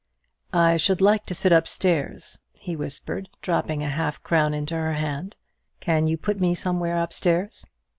"I should like to sit up stairs," he whispered, dropping a half crown into her hand; "can you put me somewhere up stairs?"